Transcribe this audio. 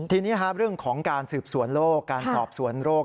ทีนี้เรื่องของการสืบสวนโรคการสอบสวนโรค